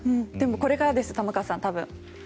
でもこれからです玉川さん多分。